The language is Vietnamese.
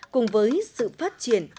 cùng với sự phát triển